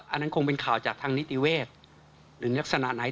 อันนั้นคงเป็นข่าวจากทางนิติเวศหรือลักษณะไหน